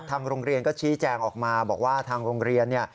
ทางโรงเรียนก็ชี้แจงออกมาบอกว่าทางโรงเรียนเนี่ย